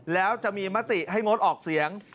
แล้วจะมีมติให้งดออกเสียง